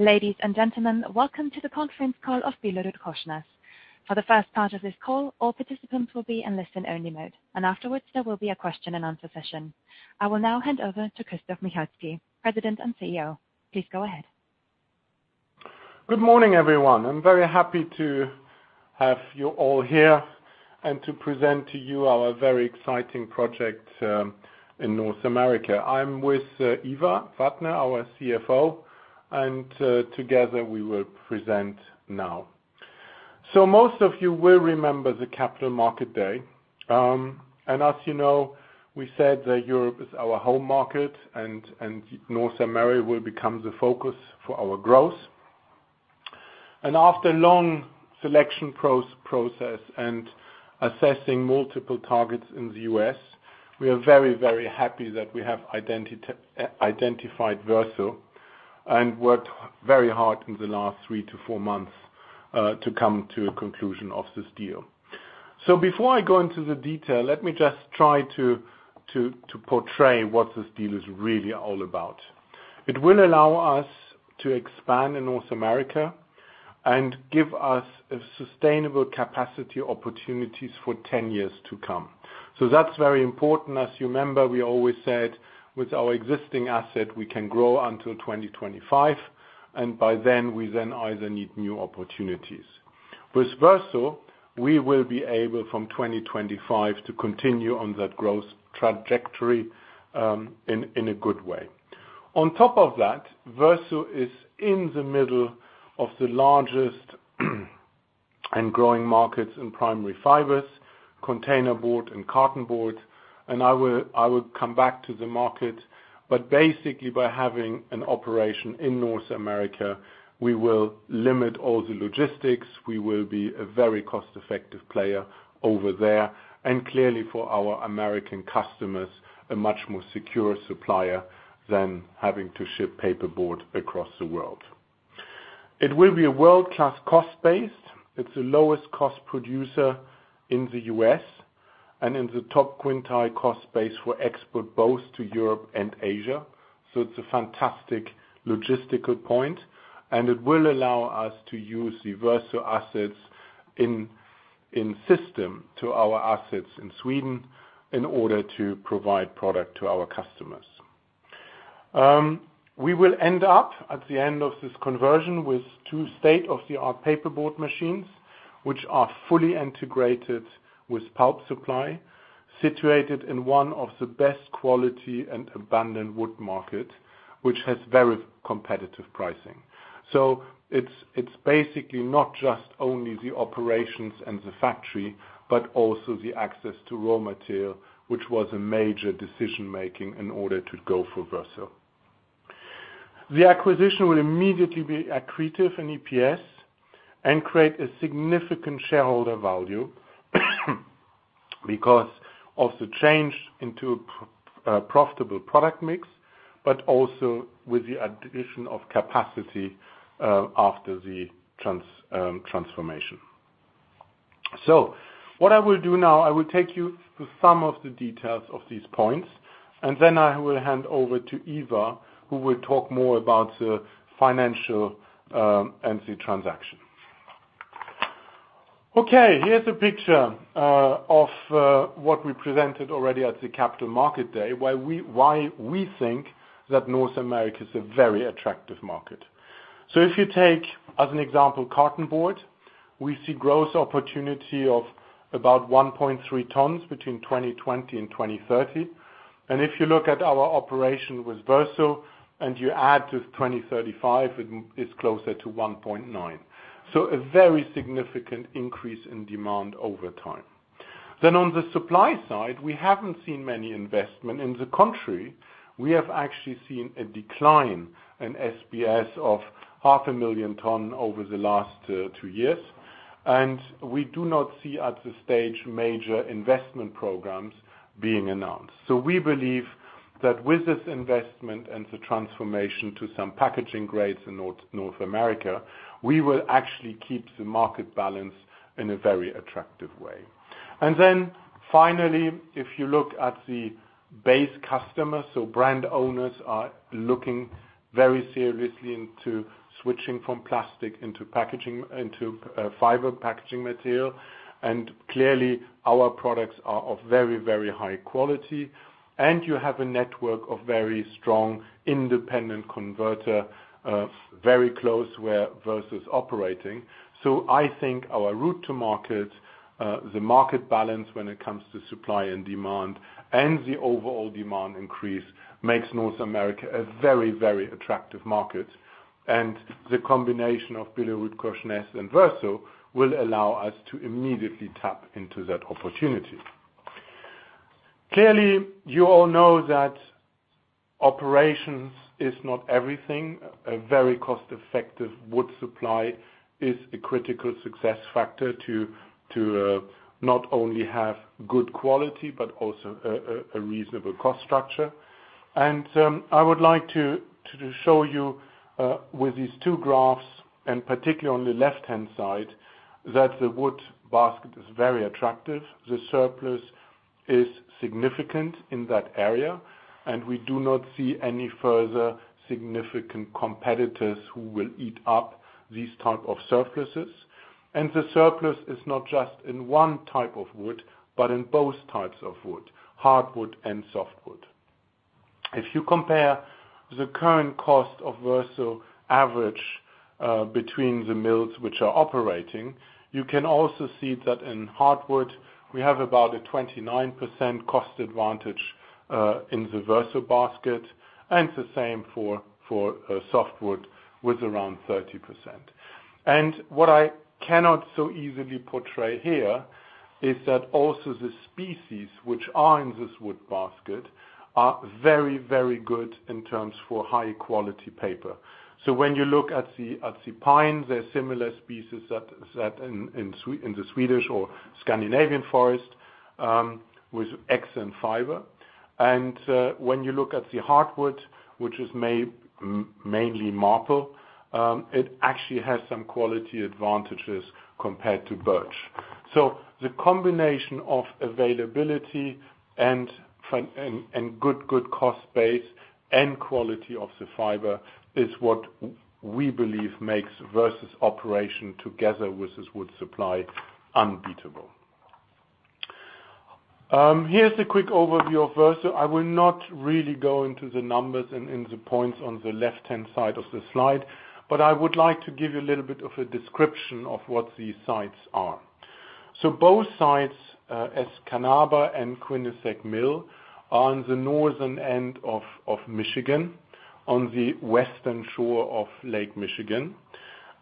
Ladies and gentlemen, welcome to the conference call of BillerudKorsnäs. For the first part of this call, all participants will be in listen-only mode, and afterwards, there will be a question-and-answer session. I will now hand over to Christoph Michalski, President and CEO. Please go ahead. Good morning, everyone. I'm very happy to have you all here and to present to you our very exciting project in North America. I'm with Ivar Vatne, our CFO, and together, we will present now. Most of you will remember the Capital Market Day. As you know, we said that Europe is our home market and North America will become the focus for our growth. After a long selection process and assessing multiple targets in the U.S., we are very, very happy that we have identified Verso and worked very hard in the last 3 months-4 months to come to a conclusion of this deal. Before I go into the detail, let me just try to portray what this deal is really all about. It will allow us to expand in North America and give us a sustainable capacity opportunities for 10 years to come. That's very important. As you remember, we always said, with our existing asset, we can grow until 2025; and by then, we then either need new opportunities. With Verso, we will be able from 2025 to continue on that growth trajectory, in a good way. On top of that, Verso is in the middle of the largest and growing markets in primary fibers, containerboard, and cartonboard; and I will come back to the market. Basically, by having an operation in North America, we will limit all the logistics. We will be a very cost-effective player over there, and clearly for our American customers, a much more secure supplier than having to ship paperboard across the world. It will be a world-class cost base. It's the lowest-cost producer in the U.S. and in the top quintile cost base for export both to Europe and Asia, so it's a fantastic logistical point. It will allow us to use the Verso assets in system to our assets in Sweden in order to provide product to our customers. We will end up, at the end of this conversion, with two state-of-the-art paperboard machines which are fully integrated with pulp supply, situated in one of the best quality and abundant wood market, which has very competitive pricing. It's basically not just only the operations and the factory, but also the access to raw material, which was a major decision-making in order to go for Verso. The acquisition will immediately be accretive in EPS and create significant shareholder value because of the change into a profitable product mix, but also with the addition of capacity after the transformation. What I will do now, I will take you through some of the details of these points; and then I will hand over to Ivar, who will talk more about the financial and the transaction. Okay, here's a picture of what we presented already at the Capital Market Day—why we think that North America is a very attractive market. If you take, as an example, cartonboard, we see growth opportunity of about 1.3 tons between 2020 and 2030. If you look at our operation with Verso and you add to 2035, it's closer to 1.9 tons, so a very significant increase in demand over time. On the supply side, we haven't seen many investments. On the contrary, we have actually seen a decline in SBS of 500,000 tons over the last two years, and we do not see at this stage major investment programs being announced. We believe that with this investment and the transformation to some packaging grades in North America, we will actually keep the market balance in a very attractive way. Finally, if you look at the base customers, brand owners are looking very seriously into switching from plastic into packaging into fiber packaging material. Clearly, our products are of very, very high quality; and you have a network of very strong independent converter very close where Verso's operating. I think our route to market, the market balance when it comes to supply and demand, and the overall demand increase makes North America a very, very attractive market. The combination of BillerudKorsnäs and Verso will allow us to immediately tap into that opportunity. Clearly, you all know that operations is not everything. A very cost-effective wood supply is a critical success factor to not only have good quality, but also a reasonable cost structure. I would like to just show you with these two graphs and, particularly on the left-hand side, that the wood basket is very attractive. The surplus is significant in that area, and we do not see any further significant competitors who will eat up these type of surpluses. The surplus is not just in one type of wood, but in both types of wood, hardwood and softwood. If you compare the current cost of Verso average between the mills which are operating, you can also see that in hardwood we have about a 29% cost advantage in the Verso basket, and the same for softwood with around 30%. What I cannot so easily portray here is that also the species which are in this wood basket are very, very good in terms of high quality paper. When you look at the pine, there are similar species that in the Swedish or Scandinavian forest with excellent fiber. When you look at the hardwood, which is made mainly maple, it actually has some quality advantages compared to birch. The combination of availability and good cost base and quality of the fiber is what we believe makes Verso's operation together with this wood supply unbeatable. Here's a quick overview of Verso. I will not really go into the numbers and the points on the left-hand side of the slide, but I would like to give you a little bit of a description of what these sites are. Both sites, Escanaba Mill and Quinnesec Mill, are on the northern end of Michigan, on the western shore of Lake Michigan.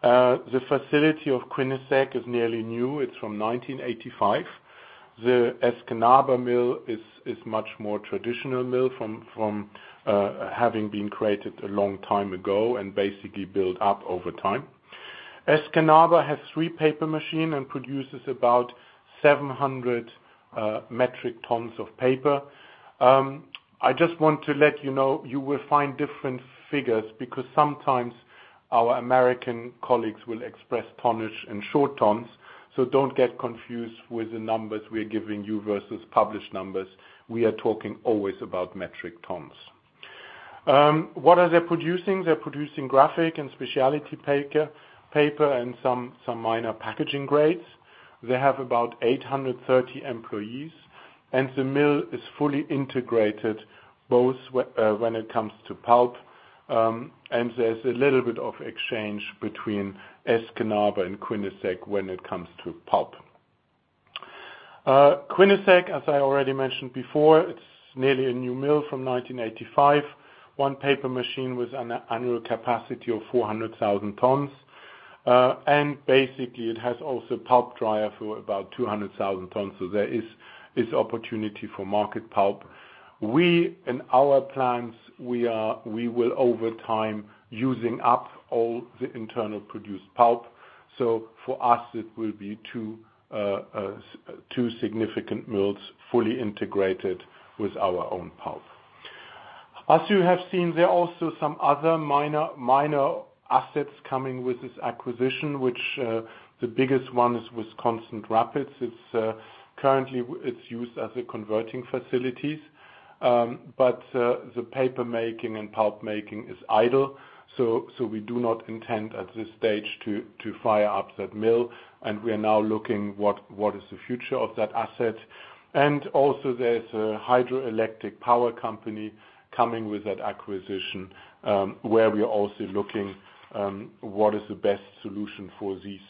The facility of Quinnesec Mill is nearly new; it's from 1985. The Escanaba Mill is a much more traditional mill from having been created a long time ago and basically built up over time. Escanaba Mill has three paper machines and produces about 700 metric tons of paper. I just want to let you know: you will find different figures because sometimes our American colleagues will express tonnage in short tons, so don't get confused with the numbers we are giving you versus published numbers. We are talking always about metric tons. What are they producing? They're producing graphic and specialty paper and some minor packaging grades. They have about 830 employees, and the mill is fully integrated, both when it comes to pulp, and there's a little bit of exchange between Escanaba Mill and Quinnesec Mill when it comes to pulp. Quinnesec Mill, as I already mentioned before, it's nearly a new mill from 1985; one paper machine with an annual capacity of 0.4 million tons. Basically it has also a pulp dryer for about 0.2 million tons, so there is opportunity for market pulp. In our plans, we will over time using up all the internal produced pulp. For us it will be two significant mills fully integrated with our own pulp. As you have seen, there are also some other minor assets coming with this acquisition, which the biggest one is Wisconsin Rapids. Currently, it's used as a converting facility, but the paper-making and pulp-making is idle; so we do not intend at this stage to fire up that mill, and we are now looking what is the future of that asset. Also, there's a hydroelectric power company coming with that acquisition, where we are also looking what is the best solution for these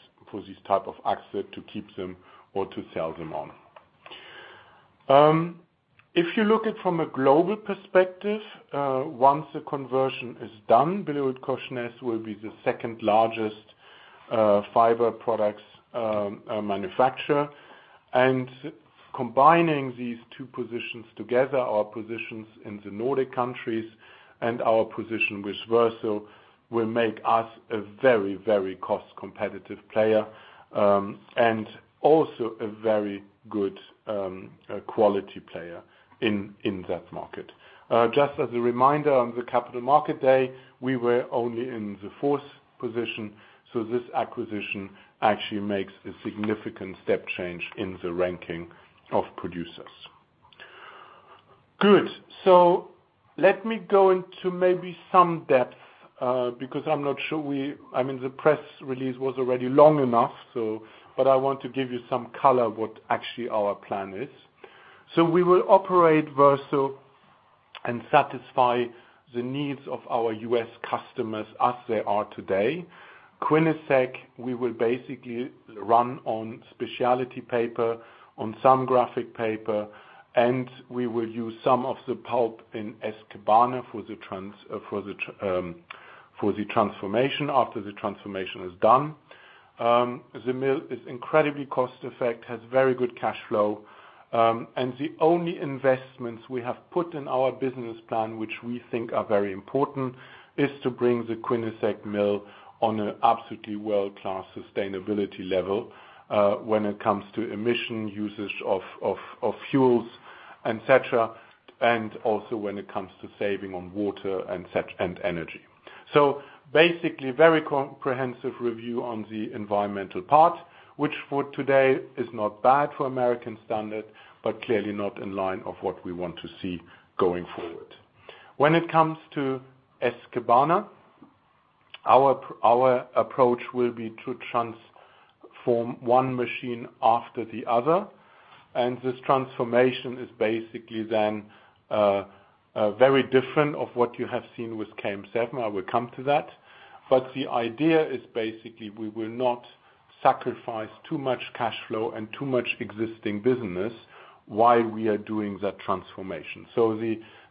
type of asset: to keep them or to sell them on. If you look at from a global perspective, once the conversion is done, BillerudKorsnäs will be the second-largest fiber products manufacturer. Combining these two positions together, our positions in the Nordic countries and our position with Verso will make us a very cost-competitive player, and also a very good quality player in that market. Just as a reminder: on the Capital Markets Day, we were only in the fourth position, so this acquisition actually makes a significant step change in the ranking of producers. Good. Let me go into maybe some depth, because I'm not sure we—I mean, the press release was already long enough—so but I want to give you some color what actually our plan is. We will operate Verso and satisfy the needs of our U.S. customers as they are today. Quinnesec Mill, we will basically run on specialty paper, on some graphic paper, and we will use some of the pulp in Escanaba Mill for the transformation after the transformation is done. The mill is incredibly cost effective, has very good cash flow, and the only investments we have put in our business plan, which we think are very important, is to bring the Quinnesec Mill to an absolutely world-class sustainability level, when it comes to emissions, usage of fuels, and et cetera, and also when it comes to saving on water and such, and energy. Basically, a very comprehensive review on the environmental part, which for today is not bad for American standards, but clearly not in line with what we want to see going forward. When it comes to Escanaba Mill, our approach will be to transform one machine after the other. This transformation is basically then, very different from what you have seen with KM7; I will come to that. The idea is basically, we will not sacrifice too much cash flow and too much existing business while we are doing that transformation.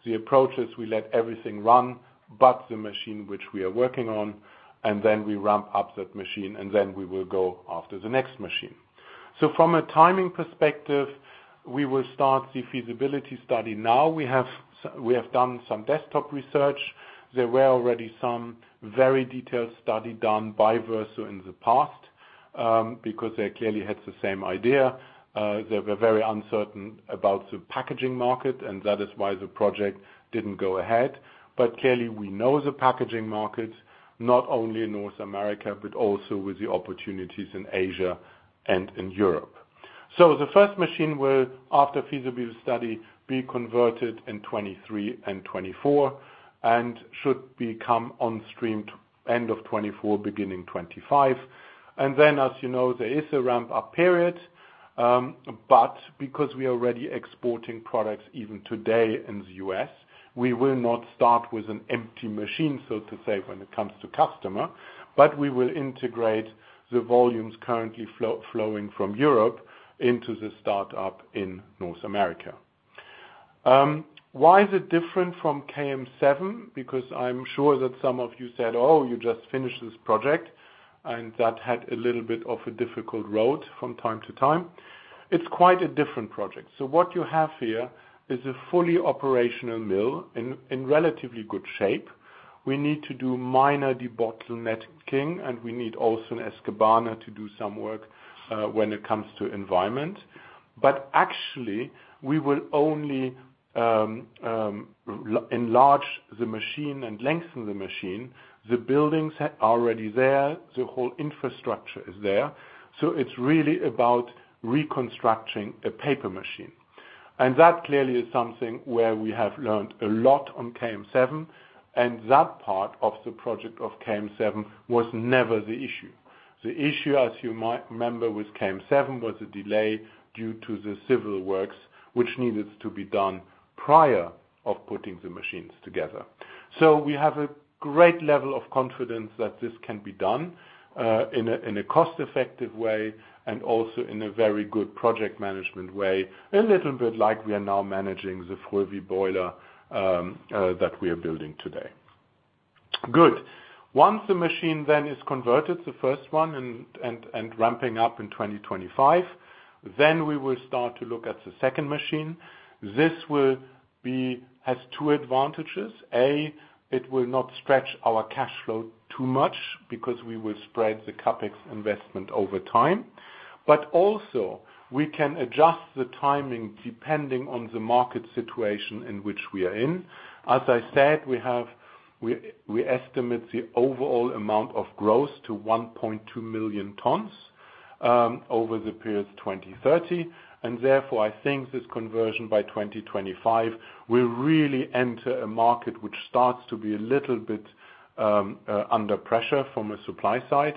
The approach is we let everything run but the machine which we are working on, and then we ramp up that machine; and then we will go after the next machine. From a timing perspective, we will start the feasibility study now. We have done some desktop research. There were already some very detailed study done by Verso in the past, because they clearly had the same idea. They were very uncertain about the packaging market, and that is why the project didn't go ahead. Clearly we know the packaging market, not only in North America, but also with the opportunities in Asia and in Europe. The first machine will, after feasibility study, be converted in 2023 and 2024, and should become on stream end of 2024, beginning 2025; then, as you know, there is a ramp-up period, but because we are already exporting products even today in the U.S., we will not start with an empty machine, so to say, when it comes to customer. We will integrate the volumes currently flowing from Europe into the startup in North America. Why is it different from KM7? Because I'm sure that some of you said, "Oh, you just finished this project," and that had a little bit of a difficult road from time to time. It's quite a different project. What you have here is a fully operational mill in relatively good shape. We need to do minor debottlenecking, and we need also in Escanaba Mill to do some work when it comes to environment. Actually, we will only enlarge the machine and lengthen the machine. The buildings are already there. The whole infrastructure is there. It's really about reconstructing a paper machine. That clearly is something where we have learned a lot on KM7, and that part of the project of KM7 was never the issue. The issue, as you might remember, with KM7 was the delay due to the civil works which needed to be done prior to putting the machines together. We have a great level of confidence that this can be done in a cost-effective way, and also in a very good project management way, a little bit like we are now managing the Frövi boiler that we are building today. Good. Once the machine then is converted, the first one, and ramping up in 2025, then we will start to look at the second machine. This has two advantages. A, it will not stretch our cash flow too much, because we will spread the CapEx investment over time. Also, we can adjust the timing depending on the market situation in which we are in. As I said, we estimate the overall amount of growth to 1.2 million tons over the period 2020-2030, and therefore I think this conversion by 2025 will really enter a market which starts to be a little bit under pressure from a supply side.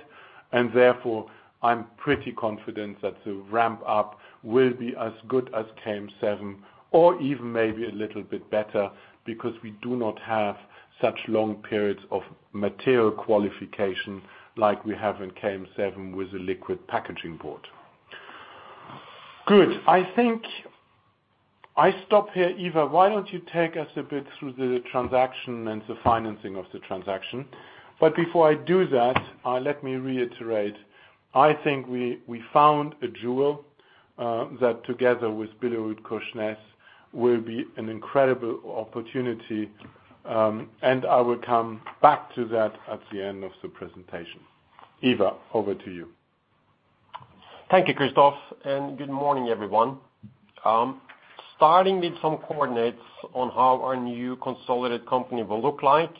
Therefore I'm pretty confident that the ramp-up will be as good as KM7 or even maybe a little bit better, because we do not have such long periods of material qualification like we have in KM7 with the liquid packaging board. Good. I think I stop here. Ivar, why don't you take us a bit through the transaction and the financing of the transaction? Before I do that, let me reiterate, I think we found a jewel that together with BillerudKorsnäs will be an incredible opportunity, and I will come back to that at the end of the presentation. Ivar, over to you. Thank you, Christoph, and good morning, everyone. Starting with some coordinates on how our new consolidated company will look like.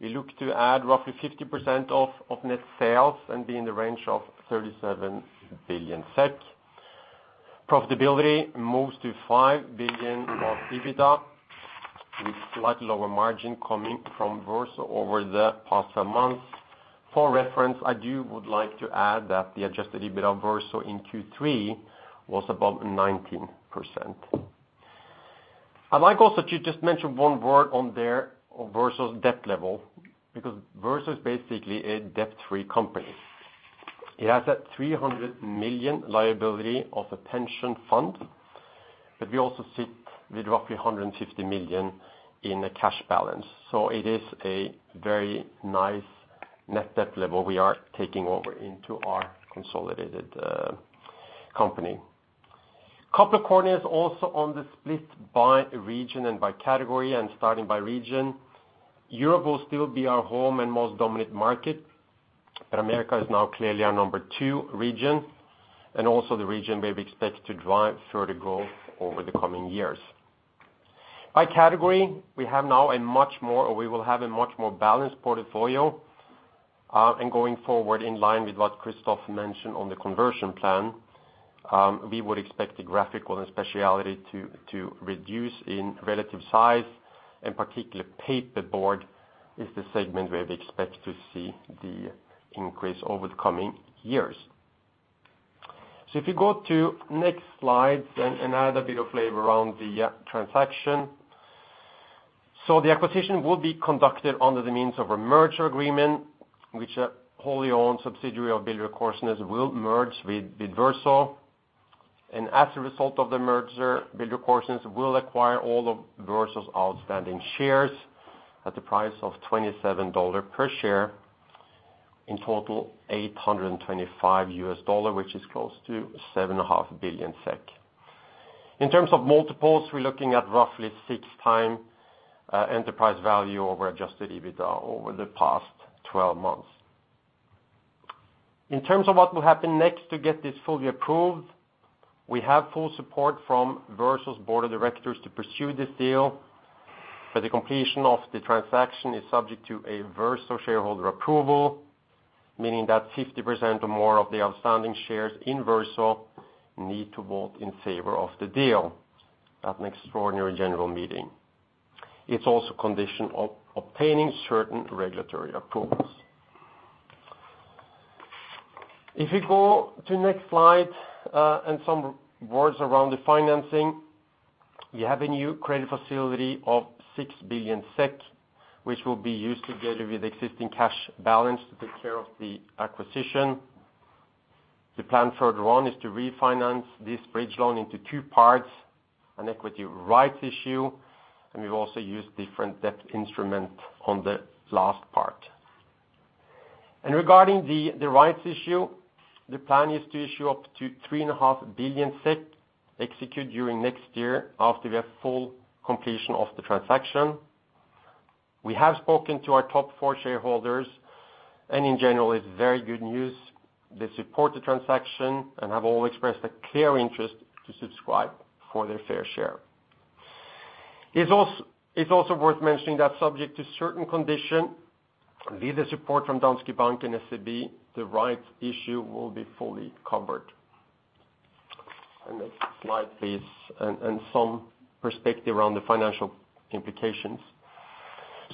We look to add roughly 50% of net sales and be in the range of 37 billion SEK. Profitability moves to 5 billion of EBITDA, with a slightly lower margin coming from Verso over the past few months. For reference, I would like to add that the adjusted EBITDA of Verso in Q3 was above 19%. I'd like also to just mention one word on Verso's debt level, because Verso is basically a debt-free company. It has a 300 million liability of a pension fund, but we also sit with roughly 150 million in a cash balance. It is a very nice net debt level we are taking over into our consolidated company. couple of coordinates also on the split by region and by category, and starting by region. Europe will still be our home and most dominant market. America is now clearly our number-two region and also the region where we expect to drive further growth over the coming years. By category, we will have a much more balanced portfolio, and going forward in line with what Christoph mentioned on the conversion plan, we would expect the graphics on specialty to reduce in relative size, and in particular paperboard is the segment where we expect to see the increase over the coming years. If you go to the next slide and add a bit of flavor around the transaction. The acquisition will be conducted under the means of a merger agreement, which a wholly owned subsidiary of BillerudKorsnäs will merge with Verso. As a result of the merger, BillerudKorsnäs will acquire all of Verso's outstanding shares at the price of $27 per share—in total $825 million, which is close to 7.5 billion SEK. In terms of multiples, we're looking at roughly 6x enterprise value over adjusted EBITDA over the past 12 months. In terms of what will happen next to get this fully approved: we have full support from Verso's board of directors to pursue this deal, but the completion of the transaction is subject to a Verso shareholder approval, meaning that 50% or more of the outstanding shares in Verso need to vote in favor of the deal at an extraordinary general meeting. It's also a condition of obtaining certain regulatory approvals. If you go to the next slide and some words around the financing: we have a new credit facility of 6 billion SEK, which will be used together with existing cash balance to take care of the acquisition. The plan further on is to refinance this bridge loan into two parts, an equity rights issue, and we've also used different debt instrument on the last part. Regarding the rights issue, the plan is to issue up to 3.5 billion SEK, executed during next year after we have full completion of the transaction. We have spoken to our top four shareholders, and in general, it's very good news. They support the transaction and have all expressed a clear interest to subscribe for their fair share. It's also worth mentioning that, subject to certain conditions, lender support from Danske Bank and SEB, the rights issue will be fully covered. The next slide, please; some perspective around the financial implications.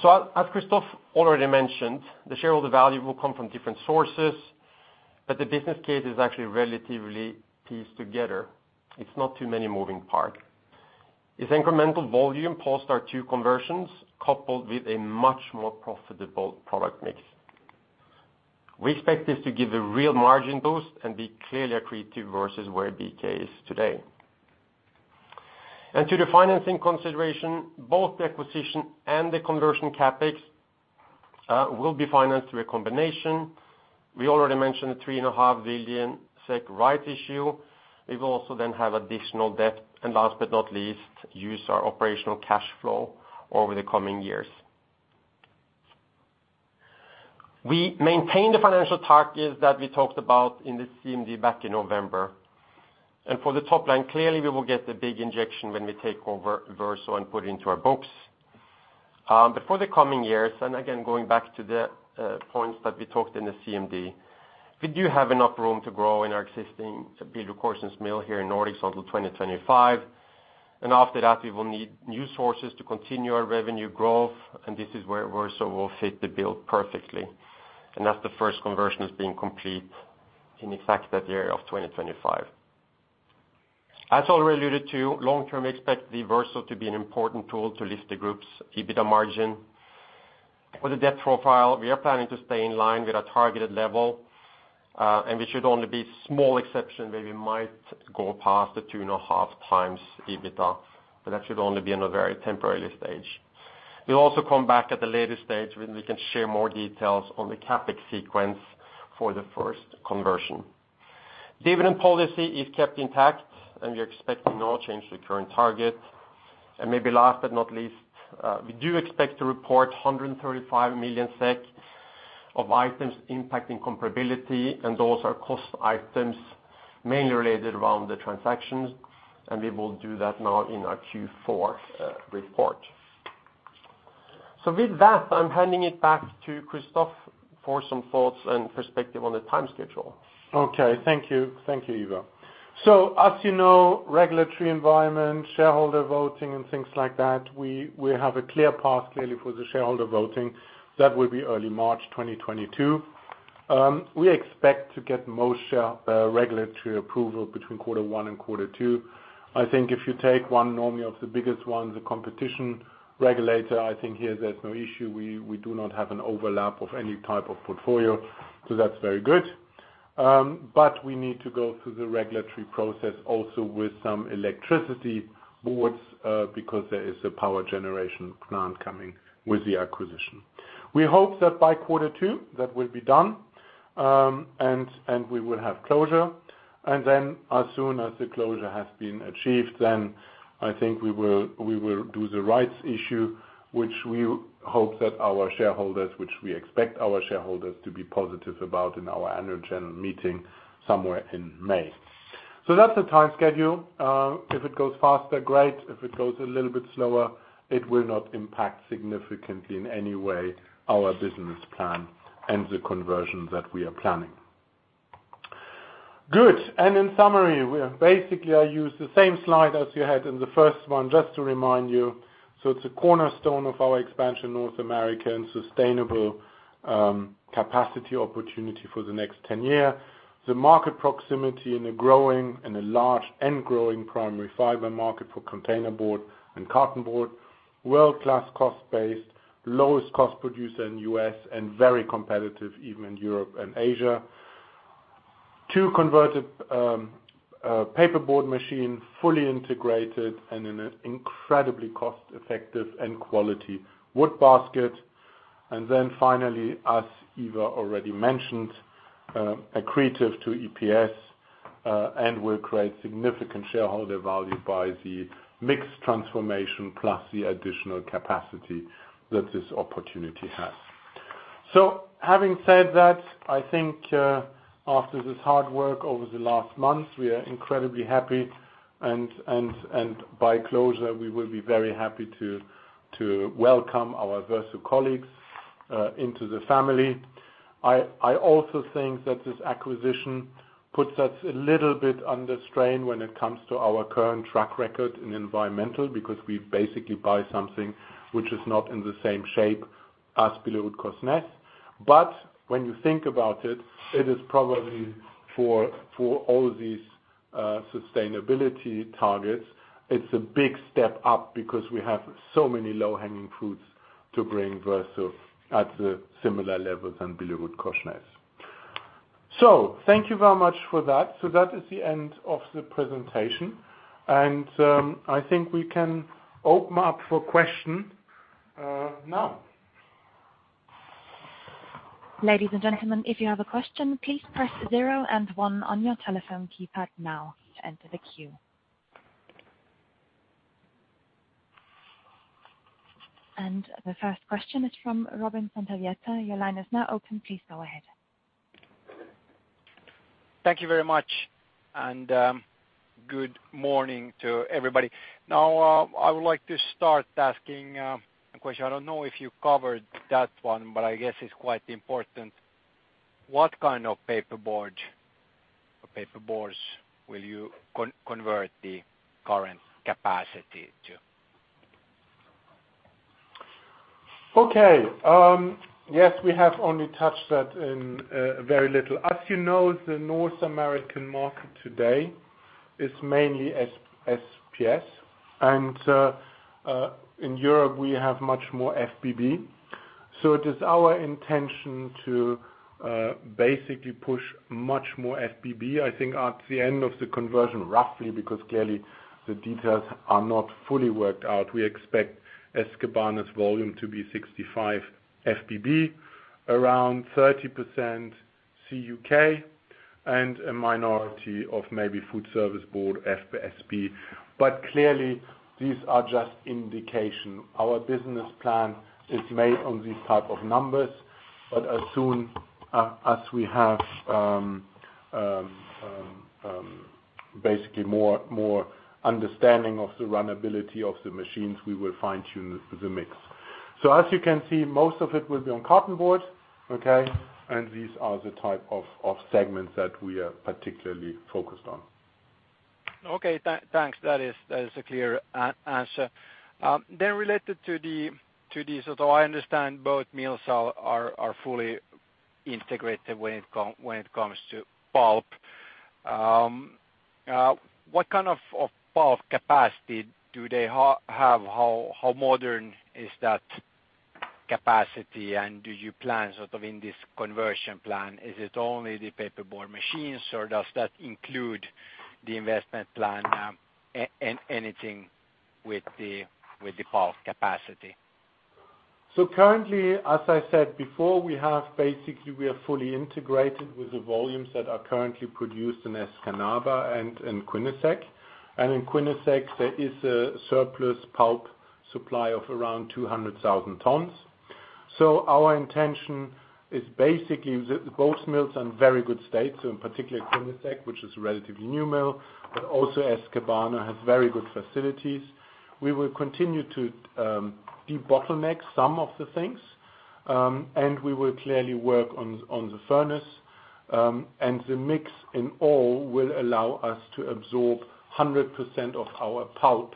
As Christoph already mentioned, the shareholder value will come from different sources, but the business case is actually relatively pieced together. It's not too many moving parts: it's incremental volume post our two conversions coupled with a much more profitable product mix. We expect this to give a real margin boost and be clearly accretive versus where BillerudKorsnäs is today. To the financing consideration, both the acquisition and the conversion CapEx will be financed through a combination. We already mentioned the 3.5 billion SEK right issue. We will also then have additional debt, and last but not least, use our operational cash flow over the coming years. We maintain the financial targets that we talked about in the CMD back in November. For the top line, clearly we will get the big injection when we take over Verso and put into our books. For the coming years, again, going back to the points that we talked in the CMD, we do have enough room to grow in our existing BillerudKorsnäs mill here in the Nordics until 2025. After that, we will need new sources to continue our revenue growth, and this is where Verso will fit the bill perfectly. That's the first conversion is being completed in exactly that year of 2025. As already alluded to, long-term, expect the Verso to be an important tool to lift the group's EBITDA margin. For the debt profile, we are planning to stay in line with our targeted level, and we should only be small exception where we might go past the 2.5x EBITDA, but that should only be on a very temporary stage. We'll also come back at the later stage when we can share more details on the CapEx sequence for the first conversion. Dividend policy is kept intact, and we expect no change to the current target. Maybe last but not least, we do expect to report 135 million SEK of items impacting comparability—and those are cost items mainly related around the transactions—and we will do that now in our Q4 report. With that, I'm handing it back to Christoph for some thoughts and perspective on the time schedule. Okay. Thank you. Thank you, Ivar. As you know, regulatory environment, shareholder voting and things like that, we have a clear path clearly for the shareholder voting. That will be early March 2022. We expect to get most regulatory approval between quarter one and quarter two. I think if you take one of the biggest ones, the competition regulator, I think here there's no issue. We do not have an overlap of any type of portfolio, so that's very good. But we need to go through the regulatory process also with some electricity boards because there is a power generation plant coming with the acquisition. We hope that by quarter two that will be done, and we will have closure. Then as soon as the closure has been achieved, then I think we will do the rights issue, which we hope that our shareholders, which we expect our shareholders to be positive about in our annual general meeting somewhere in May. That's the time schedule. If it goes faster, great. If it goes a little bit slower, it will not impact significantly in any way our business plan and the conversion that we are planning. Good. In summary, we are basically. I use the same slide as you had in the first one, just to remind you. It's a cornerstone of our expansion North America and sustainable capacity opportunity for the next 10-year. The market proximity in a growing—and a large and growing—primary fiber market for containerboard and cartonboard, world-class cost base, lowest cost producer in U.S., and very competitive even in Europe and Asia. Two converted paperboard machines, fully integrated and in an incredibly cost-effective and quality wood basket. Then finally, as Ivar already mentioned: accretive to EPS, and will create significant shareholder value by the mix transformation plus the additional capacity that this opportunity has. Having said that, I think after this hard work over the last months, we are incredibly happy; and by closure, we will be very happy to welcome our Verso colleagues into the family. I also think that this acquisition puts us a little bit under strain when it comes to our current track record in environmental, because we basically buy something which is not in the same shape as BillerudKorsnäs. When you think about, it is probably for all these sustainability targets, it's a big step up because we have so many low-hanging fruits to bring Verso at the similar levels than BillerudKorsnäs. Thank you very much for that. That is the end of the presentation, and I think we can open up for question now. Ladies and gentlemen, if you have a question, please press zero and one on your telephone keypad to enter the queue. The first question is from Robin Santavirta. Your line is now open. Please go ahead. Thank you very much, and good morning to everybody. Now, I would like to start asking a question. I don't know if you covered that one, but I guess it's quite important. What kind of paperboard or paperboards will you convert the current capacity to? Okay. Yes, we have only touched that in very little. As you know, the North American market today is mainly SBS, and in Europe, we have much more FBB. It is our intention to basically push much more FBB. I think at the end of the conversion, roughly—because clearly the details are not fully worked out—we expect Escanaba Mill's volume to be 65 FBB, around 30% CUK, and a minority of maybe food service board, FSB. But clearly, these are just indications. Our business plan is made on these type of numbers, but as soon as we have basically more understanding of the runnability of the machines, we will fine-tune the mix. As you can see, most of it will be on cartonboard. These are the type of segments that we are particularly focused on. Okay. Thanks. That is a clear answer. Then related to the, though I understand both mills are fully integrated when it comes to pulp, what kind of pulp capacity do they have? How modern is that capacity, and do you plan sort of in this conversion plan, is it only the paperboard machines, or does that include the investment plan, and anything with the pulp capacity? Currently, as I said before, we are fully integrated with the volumes that are currently produced in Escanaba Mill and in Quinnesec Mill. In Quinnesec Mill, there is a surplus pulp supply of around 0.2 million tons. Our intention is basically the both mills are in very good state, so in particular Quinnesec Mill, which is a relatively new mill, but also Escanaba Mill has very good facilities. We will continue to debottleneck some of the things, and we will clearly work on the furnace, and the mix in all will allow us to absorb 100% of our pulp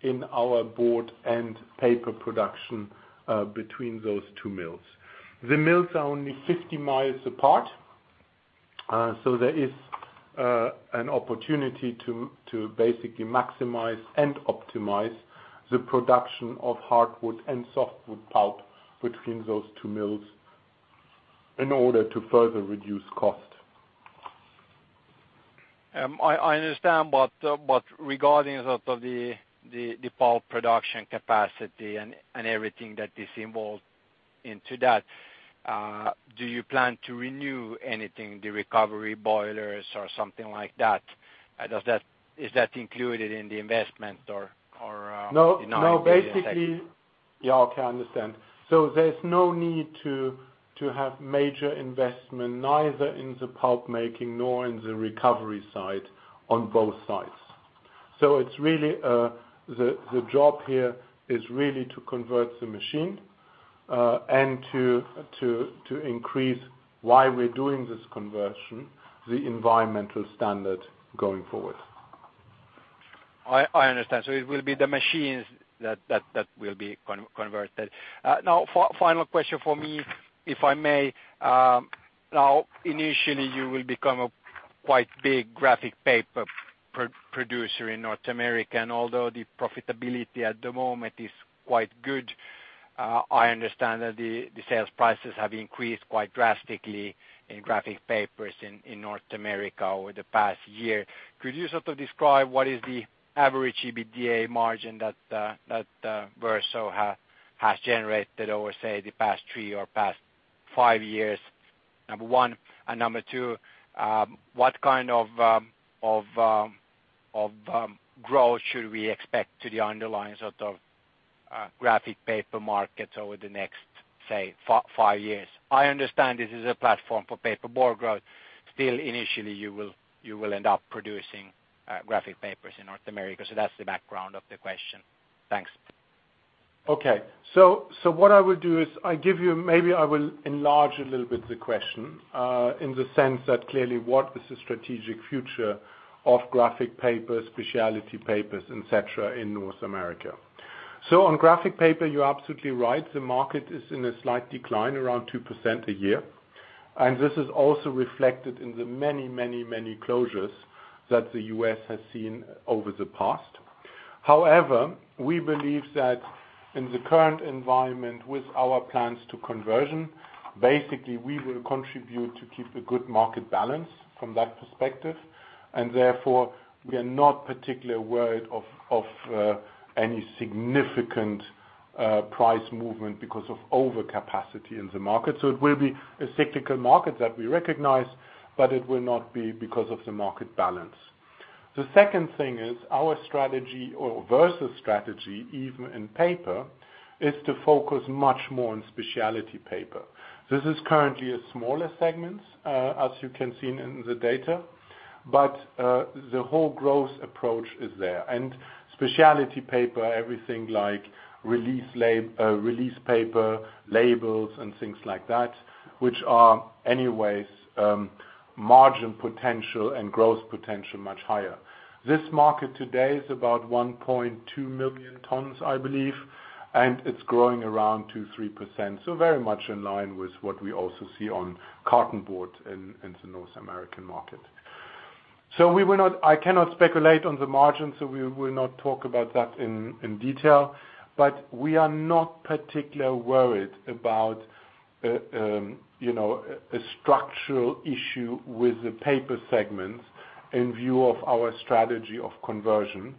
in our board and paper production between those two mills. The mills are only 50 miles apart, so there is an opportunity to basically maximize and optimize the production of hardwood and softwood pulp between those two mills in order to further reduce cost. I understand, but regarding sort of the pulp production capacity and everything that is involved into that. Do you plan to renew anything, the recovery boilers or something like that? Is that included in the investment or you know- No. Yeah, okay, I understand; there's no need to have major investment, neither in the pulp making nor in the recovery side on both sides. It's really the job here is really to convert the machine and to increase, why we're doing this conversion, the environmental standard going forward. I understand. It will be the machines that will be converted. Now final question for me, if I may. Now, initially you will become a quite big graphic paper producer in North America. Although the profitability at the moment is quite good, I understand that the sales prices have increased quite drastically in graphic papers in North America over the past year. Could you sort of describe what is the average EBITDA margin that Verso has generated over, say, the past three or past five years? Number one, and number two, what kind of growth should we expect to the underlying sort of graphic paper markets over the next, say, five years? I understand this is a platform for paperboard growth. Still, initially, you will end up producing graphic papers in North America. That's the background of the question. Thanks. Okay. What I will do is maybe I will enlarge a little bit the question, in the sense that clearly: what is the strategic future of graphic papers, specialty papers, et cetera, in North America? On graphic paper, you're absolutely right, the market is in a slight decline, around 2% a year. This is also reflected in the many closures that the U.S. has seen over the past. However, we believe that in the current environment with our plans for conversion, basically we will contribute to keep a good market balance from that perspective. Therefore, we are not particularly worried of any significant price movement because of overcapacity in the market. It will be a cyclical market that we recognize, but it will not be because of the market balance. The second thing is our strategy, or Verso's strategy, even in paper, is to focus much more on specialty paper. This is currently a smaller segment, as you can see in the data. The whole growth approach is there. Specialty paper—everything like release label, release paper, labels and things like that—which are anyway, margin potential and growth potential much higher. This market today is about 1.2 million tons: I believe, and it's growing around 2%-3%. Very much in line with what we also see on cartonboard in the North American market. I cannot speculate on the margins, so we will not talk about that in detail. We are not particularly worried about a structural issue with the paper segment in view of our strategy of conversion.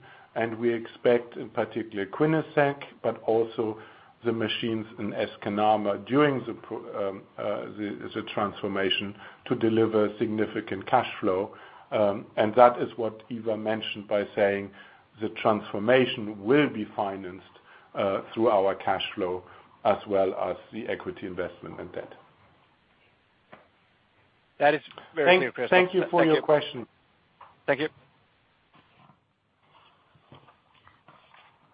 We expect, in particular Quinnesec Mill, but also the machines in Escanaba Mill during the transformation to deliver significant cash flow. That is what Ivar mentioned by saying the transformation will be financed through our cash flow as well as the equity investment and debt. That is very clear, Christoph. Thank you. Thank you for your question. Thank you.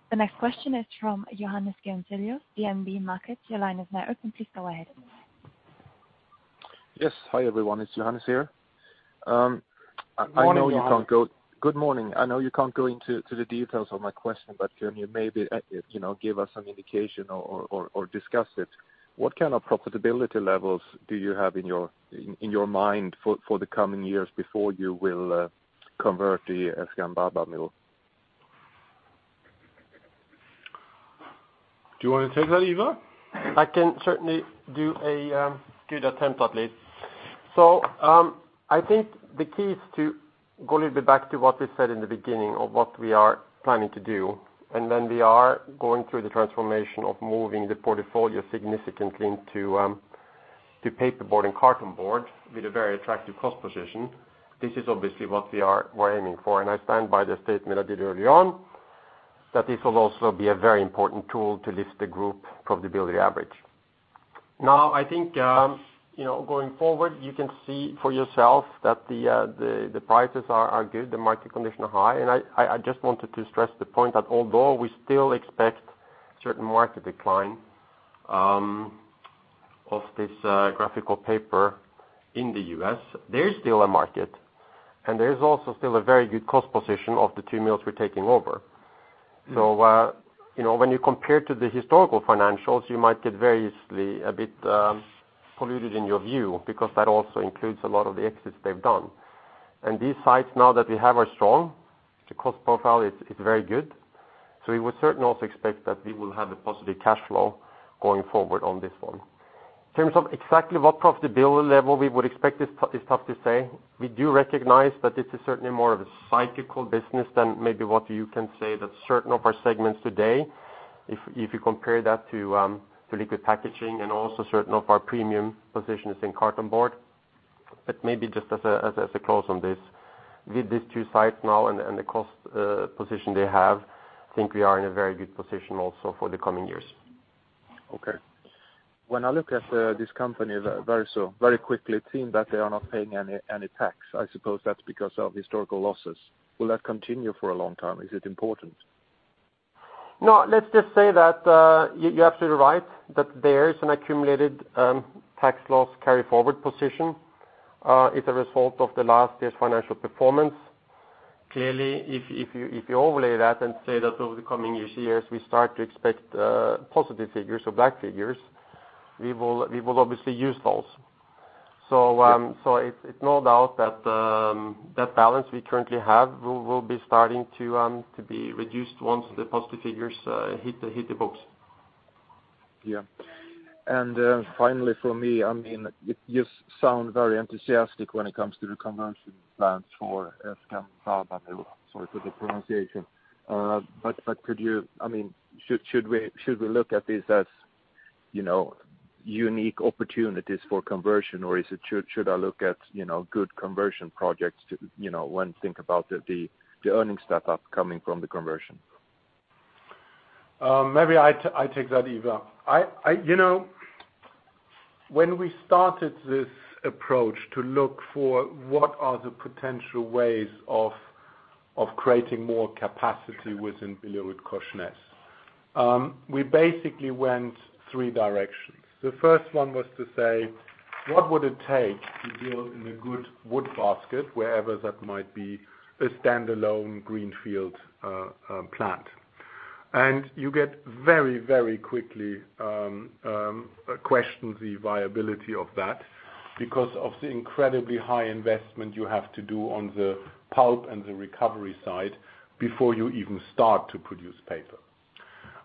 The next question is from Johannes Grunselius, DNB Markets. Your line is now open. Please go ahead. Yes. Hi, everyone. It's Johannes here. I know you can't go... Morning, Johannes. Good morning. I know you can't go into the details of my question, but can you maybe, you know, give us some indication or discuss it? What kind of profitability levels do you have in your mind for the coming years before you will convert the Escanaba mill? Do you wanna take that, Ivar? I can certainly do a good attempt at least. I think the key is to go a little bit back to what we said in the beginning of what we are planning to do. When we are going through the transformation of moving the portfolio significantly into paper board and carton board with a very attractive cost position, this is obviously what we are aiming for. I stand by the statement I did early on, that this will also be a very important tool to lift the group profitability average. Now, I think you know, going forward, you can see for yourself that the prices are good, the market condition are high. I just wanted to stress the point that although we still expect certain market decline of this graphic paper in the U.S., there is still a market, and there is also still a very good cost position of the two mills we're taking over. You know, when you compare to the historical financials, you might get variously a bit polluted in your view because that also includes a lot of the exits they've done. These sites now that we have are strong. The cost profile is very good. We would certainly also expect that we will have a positive cash flow going forward on this one. In terms of exactly what profitability level we would expect is tough to say. We do recognize that this is certainly more of a cyclical business than maybe what you can say that certain of our segments today, if you compare that to liquid packaging and also certain of our premium positions in carton board. Maybe just as a close on this, with these two sites now and the cost position they have, I think we are in a very good position also for the coming years. Okay. When I look at this company, Verso, very quickly it seem that they are not paying any tax. I suppose that's because of historical losses. Will that continue for a long time? Is it important? No. Let's just say that you're absolutely right that there is an accumulated tax loss carry-forward position as a result of the last year's financial performance. Clearly, if you overlay that and say that over the coming years, we start to expect positive figures or black figures, we will obviously use those. It's no doubt that the balance we currently have will be starting to be reduced once the positive figures hit the books. Yeah. Finally from me, I mean, you sound very enthusiastic when it comes to the conversion plans for Escanaba Mill. Sorry for the pronunciation. But I mean, should we look at this as, you know, unique opportunities for conversion? Or should I look at, you know, good conversion projects to, you know, when I think about the earnings that are coming from the conversion? Maybe I take that, Ivar. You know, when we started this approach to look for what are the potential ways of creating more capacity within BillerudKorsnäs, we basically went three directions. The first one was to say, what would it take to build in a good wood basket, wherever that might be, a standalone greenfield plant? You get very quickly question the viability of that because of the incredibly high investment you have to do on the pulp and the recovery side before you even start to produce paper.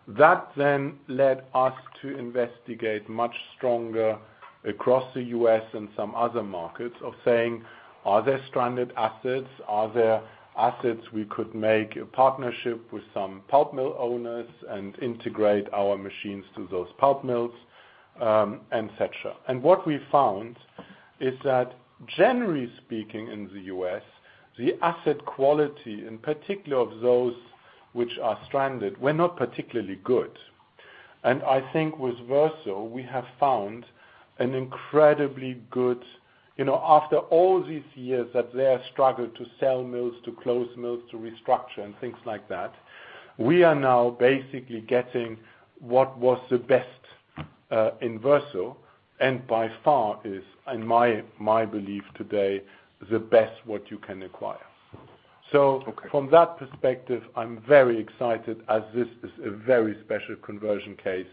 That then led us to investigate much stronger across the U.S. and some other markets of saying, are there stranded assets? Are there assets we could make a partnership with some pulp mill owners and integrate our machines to those pulp mills, etc. What we found is that generally speaking, in the U.S., the asset quality, in particular of those which are stranded, were not particularly good. I think with Verso, we have found an incredibly good. You know, after all these years that they have struggled to sell mills, to close mills, to restructure and things like that, we are now basically getting what was the best in Verso, and by far is, in my belief today, the best what you can acquire. Okay. From that perspective, I'm very excited as this is a very special conversion case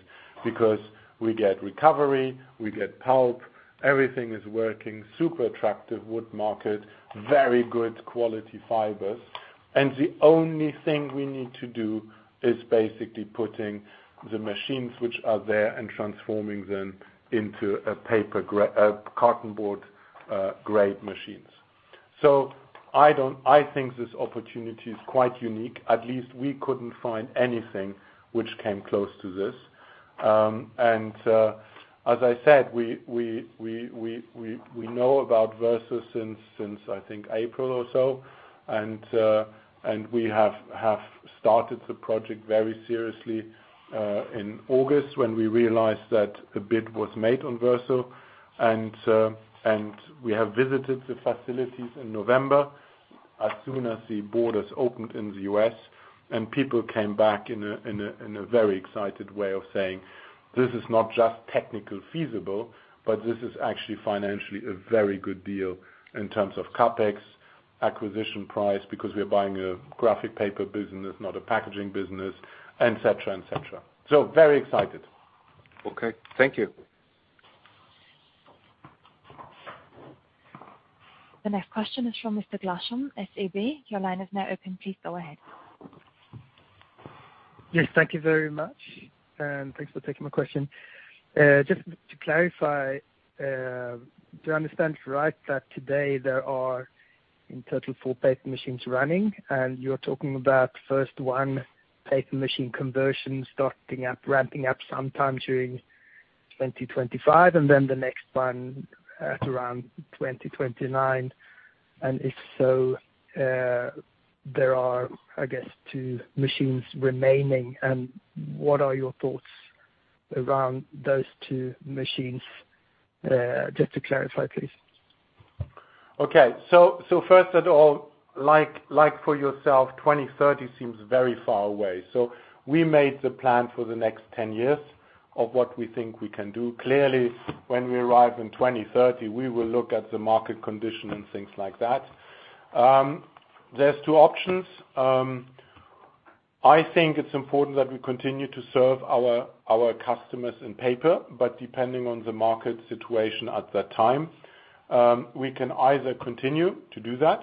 because we get recovery, we get pulp, everything is working, super attractive wood market, very good quality fibers. The only thing we need to do is basically putting the machines which are there and transforming them into a cartonboard grade machines. I think this opportunity is quite unique. At least we couldn't find anything which came close to this. As I said, we know about Verso since I think April or so, and we have started the project very seriously in August, when we realized that a bid was made on Verso. We have visited the facilities in November as soon as the borders opened in the U.S., and people came back in a very excited way of saying, "This is not just technically feasible, but this is actually financially a very good deal in terms of CapEx, acquisition price, because we're buying a graphic paper business, not a packaging business," et cetera, et cetera. Very excited. Okay. Thank you. The next question is from Mr. Linus Larsson, SEB. Your line is now open. Please go ahead. Yes. Thank you very much, and thanks for taking my question. Just to clarify, do I understand right that today there are in total four paper machines running, and you're talking about first one paper machine conversion starting up, ramping up sometime during 2025 and then the next one at around 2029? If so, there are, I guess, two machines remaining, and what are your thoughts around those two machines? Just to clarify, please. Okay. First of all, like for yourself, 2030 seems very far away. We made the plan for the next 10 years of what we think we can do. Clearly, when we arrive in 2030, we will look at the market condition and things like that. There's 2 options. I think it's important that we continue to serve our customers in paper, but depending on the market situation at that time, we can either continue to do that,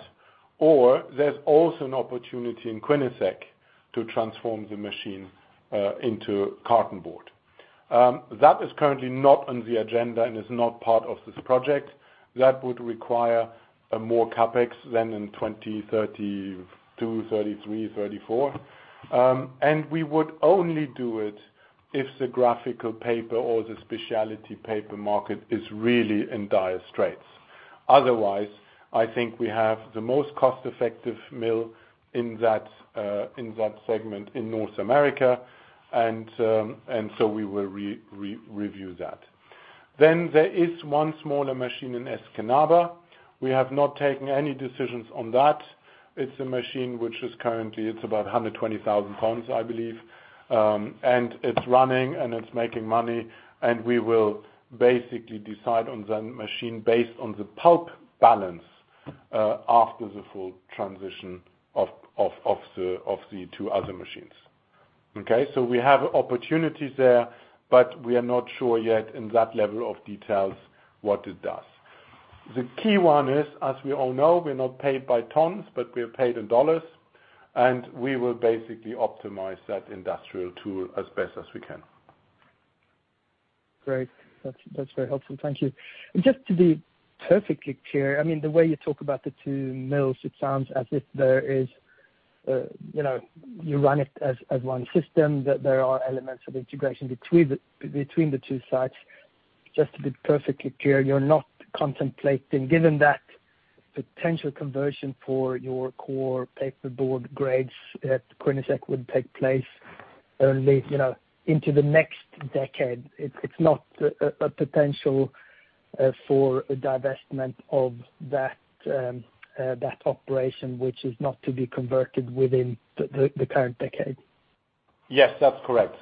or there's also an opportunity in Quinnesec Mill to transform the machine into cartonboard. That is currently not on the agenda and is not part of this project. That would require more CapEx than in 2032, 2033, 2034. We would only do it if the graphic paper or the specialty paper market is really in dire straits. Otherwise, I think we have the most cost-effective mill in that segment in North America. We will review that. There is one smaller machine in Escanaba Mill. We have not taken any decisions on that. It's a machine which is currently. It's about 0.12 million tons, I believe. It's running, and it's making money, and we will basically decide on the machine based on the pulp balance after the full transition of the two other machines. Okay. We have opportunities there, but we are not sure yet in that level of details what it does. The key one is, as we all know, we're not paid by tons, but we're paid in U.S. dollars, and we will basically optimize that industrial tool as best as we can. Great. That's very helpful. Thank you. Just to be perfectly clear, I mean, the way you talk about the two mills, it sounds as if there is, you know, you run it as one system, that there are elements of integration between the two sites. Just to be perfectly clear, you're not contemplating, given that potential conversion for your core paperboard grades at Quinnesec Mill would take place only, you know, into the next decade. It's not a potential for a divestment of that operation which is not to be converted within the current decade. Yes, that's correct.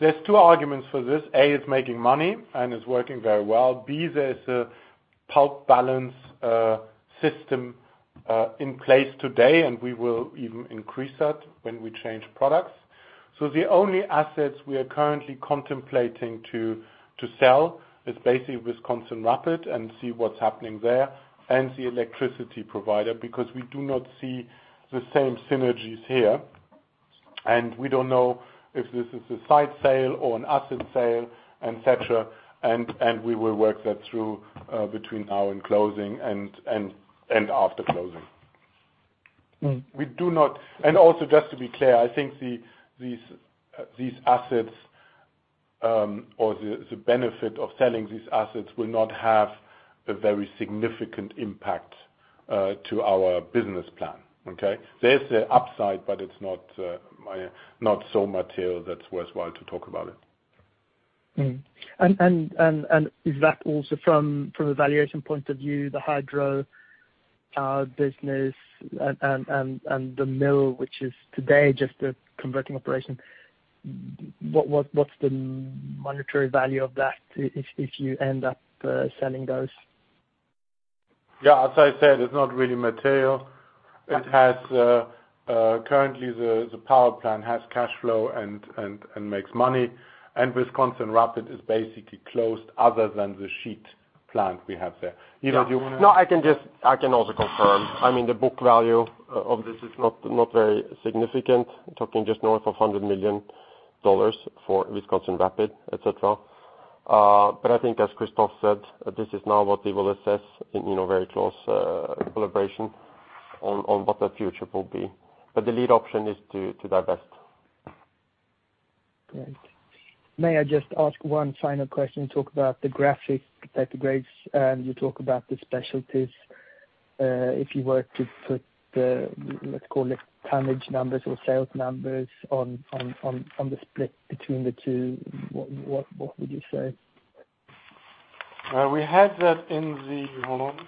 There's two arguments for this. A, it's making money and is working very well. B, there's a pulp balance system in place today, and we will even increase that when we change products. The only assets we are currently contemplating to sell is basically Wisconsin Rapids and see what's happening there and the electricity provider, because we do not see the same synergies here. We don't know if this is a site sale or an asset sale, et cetera. We will work that through between now and closing and after closing. Also, just to be clear, I think these assets or the benefit of selling these assets will not have a very significant impact to our business plan, okay? There's an upside, but it's not so material that's worthwhile to talk about it. Is that also from a valuation point of view, the hydro business and the mill, which is today just a converting operation, what's the monetary value of that if you end up selling those? Yeah, as I said, it's not really material. It has currently the power plant has cash flow and makes money. Wisconsin Rapids is basically closed other than the sheet plant we have there. Ivar, do you wanna- No, I can also confirm. I mean, the book value of this is not very significant. Talking just north of $100 million for Wisconsin Rapids, et cetera. I think as Christoph said, this is now what we will assess in, you know, very close collaboration on what the future will be. The lead option is to divest. Great. May I just ask one final question? You talked about the graphic paper grades, and you talked about the specialties. If you were to put the, let's call it tonnage numbers or sales numbers on the split between the two, what would you say? We had that in the. Hold on.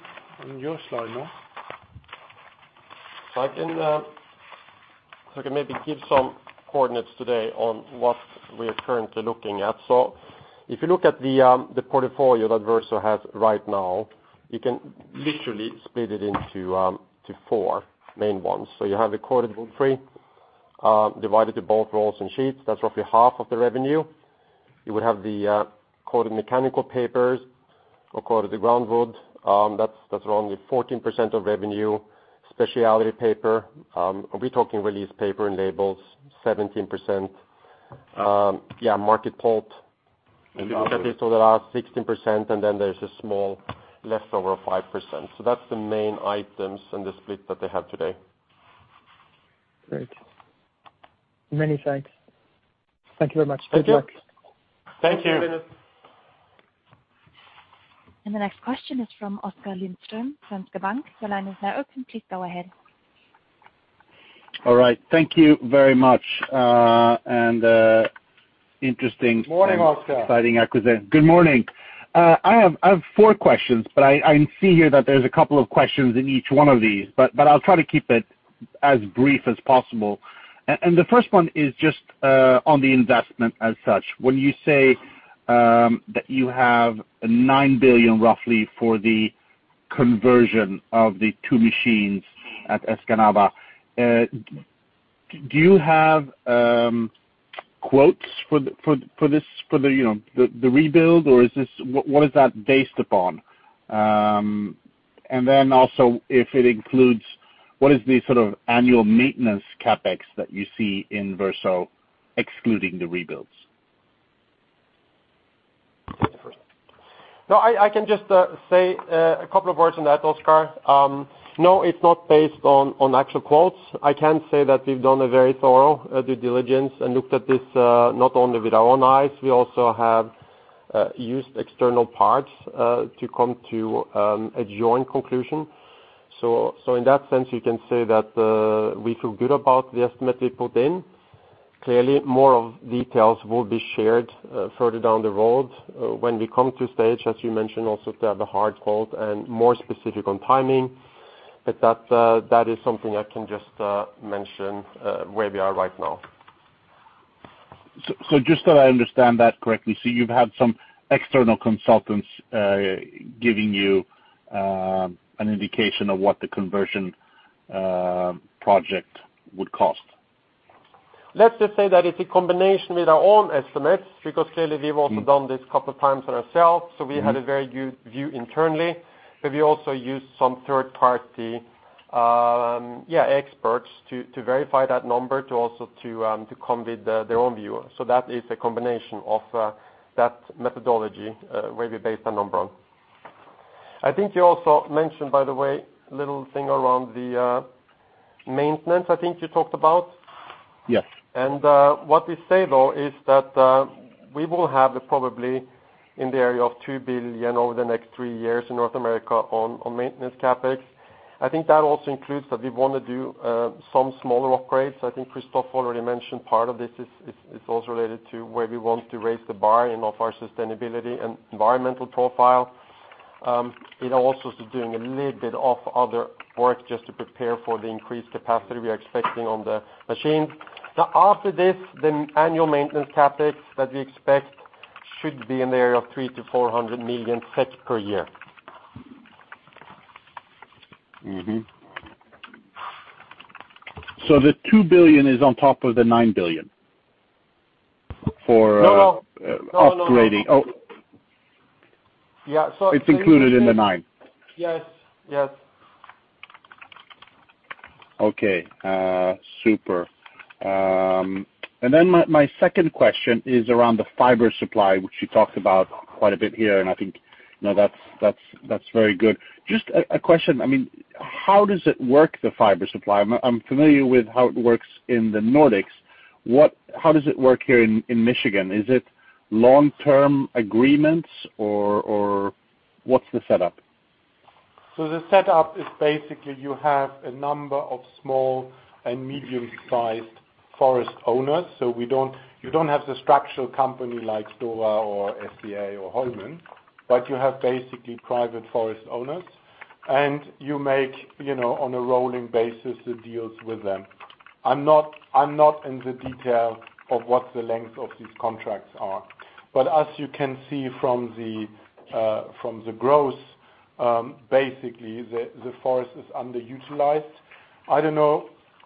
In your slide, no? I can maybe give some coordinates today on what we are currently looking at. If you look at the portfolio that Verso has right now, you can literally split it into four main ones. You have the coated woodfree, divided into both rolls and sheets. That's roughly half of the revenue. You would have the coated mechanical papers or coated groundwood, that's around 14% of revenue. Specialty paper, we're talking release paper and labels, 17%. Market pulp. If you look at this, there are 16%, and then there's a small leftover of 5%. That's the main items and the split that they have today. Great. Many thanks. Thank you very much. Good luck. Thank you. Thank you. The next question is from Oskar Lindström, Danske Bank. The line is now open. Please go ahead. All right. Thank you very much. Interesting... Morning, Oskar. ...exciting acquisition. Good morning. I have four questions, but I see here that there's a couple of questions in each one of these, but I'll try to keep it as brief as possible. The first one is just on the investment as such. When you say that you have roughly 9 billion for the conversion of the two machines at Escanaba Mill, do you have quotes for this, for the rebuild, or is this? What is that based upon? And then also, if it includes, what is the sort of annual maintenance CapEx that you see in Verso excluding the rebuilds? No, I can just say a couple of words on that, Oskar. No, it's not based on actual quotes. I can say that we've done a very thorough due diligence and looked at this not only with our own eyes, we also have used external parties to come to a joint conclusion. In that sense, you can say that we feel good about the estimate we put in. Clearly, more details will be shared further down the road when we come to a stage, as you mentioned, also to have the hard quotes and more specific on timing. That is something I can just mention where we are right now. Just that I understand that correctly. You've had some external consultants giving you an indication of what the conversion project would cost. Let's just say that it's a combination with our own estimates, because clearly we've also done this a couple of times for ourselves, so we had a very good view internally. We also used some third-party experts to verify that number and also to come with their own view. That is a combination of that methodology where we based the number on. I think you also mentioned, by the way, a little thing around the maintenance, I think you talked about. Yes. What we say, though, is that we will have probably in the area of 2 billion over the next three years in North America on maintenance CapEx. I think that also includes that we wanna do some smaller upgrades. I think Christoph already mentioned part of this is also related to where we want to raise the bar in of our sustainability and environmental profile. It also is doing a little bit of other work just to prepare for the increased capacity we are expecting on the machines. Now, after this, the annual maintenance CapEx that we expect should be in the area of 300 million-400 million per year. Mm-hmm. The 2 billion is on top of the 9 billion for.. No. -upgrading. No. Oh. Yeah. It's included in the 9 billion. Yes. Yes. Okay. Super. My second question is around the fiber supply, which you talked about quite a bit here, and I think, you know, that's very good. Just a question. I mean, how does it work, the fiber supply? I'm familiar with how it works in the Nordics. How does it work here in Michigan? Is it long-term agreements or what's the setup? The setup is basically you have a number of small and medium-sized forest owners. You don't have the strategic company like Stora or SCA or Holmen, but you have basically private forest owners, and you make, on a rolling basis, the deals with them. I'm not in the detail of what the length of these contracts are, but as you can see from the growth, basically the forest is underutilized.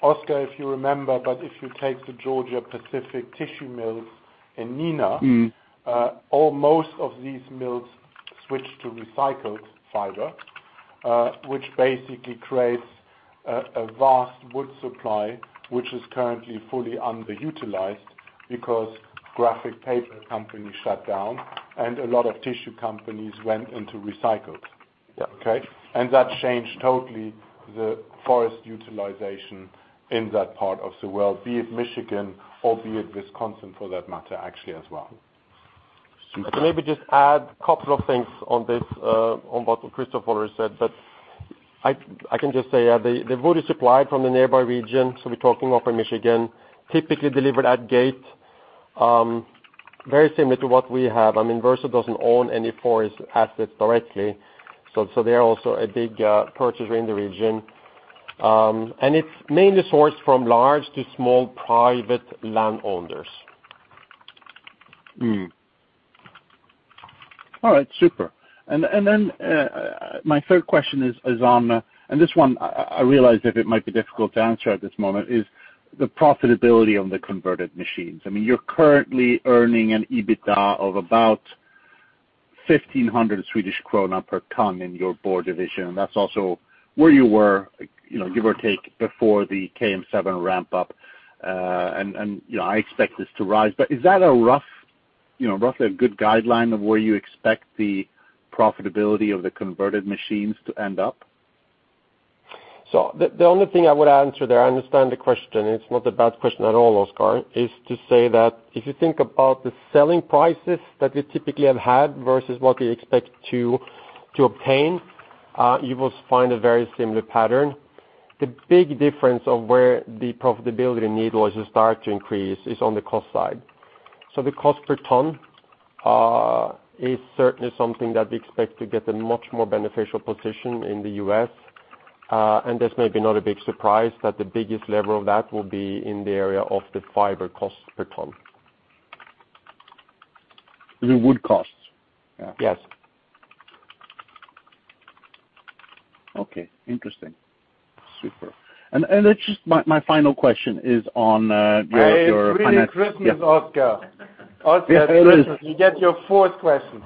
I don't know, Oskar, if you remember, but if you take the Georgia-Pacific tissue mills in Neenah, almost all of these mills switched to recycled fiber, which basically creates a vast wood supply which is currently fully underutilized because graphic paper companies shut down and a lot of tissue companies went into recycled. Yeah. Okay? That changed totally the forest utilization in that part of the world, be it Michigan or be it Wisconsin for that matter, actually as well. Super. I can maybe just add a couple of things on this, on what Christoph already said. I can just say, the wood is supplied from the nearby region, so we're talking upper Michigan, typically delivered at gate, very similar to what we have. I mean, Verso doesn't own any forest assets directly, so they are also a big purchaser in the region. It's mainly sourced from large to small private landowners. All right. Super. My third question is on, and this one I realize that it might be difficult to answer at this moment, is the profitability of the converted machines. I mean, you're currently earning an EBITDA of about 1,500 Swedish krona per ton in your board division, and that's also where you were, you know, give or take before the KM7 ramp up. I expect this to rise. Is that a rough, you know, roughly a good guideline of where you expect the profitability of the converted machines to end up? The only thing I would answer there, I understand the question, it's not a bad question at all, Oskar, is to say that if you think about the selling prices that we typically have had versus what we expect to obtain, you will find a very similar pattern. The big difference of where the profitability needle has started to increase is on the cost side. The cost per ton is certainly something that we expect to get a much more beneficial position in the U.S. And this may be not a big surprise, but the biggest lever of that will be in the area of the fiber cost per ton. The wood costs? Yes. Okay. Interesting. Super. It's just my final question is on your- It's really Christmas, Oskar. It is. You get your fourth question.